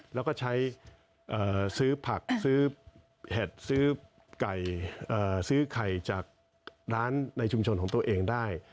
แล้วก็ใช้ซื้อผักซื้อเห็ดซื้อไก่ซื้อไข่จากร้านในชุมชนของตัวเองได้